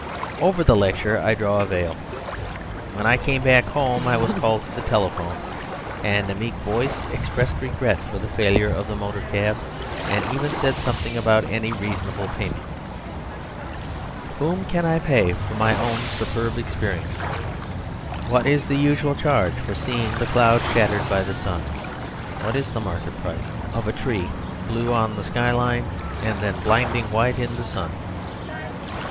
Over the lecture I draw a veil. When I came back home I was called to the telephone, and a meek voice expressed regret for the failure of the motor cab, and even said something about any reasonable payment. "Whom can I pay for my own superb experience? What is the usual charge for seeing the clouds shattered by the sun? What is the market price of a tree blue on the sky line and then blinding white in the sun?